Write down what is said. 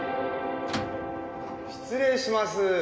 失礼します。